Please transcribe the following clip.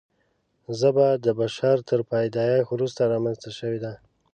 ژبه د بشر تر پیدایښت وروسته رامنځته شوې ده.